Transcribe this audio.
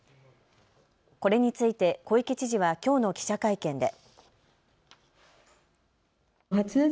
これについて小池知事はきょうの記者会見で。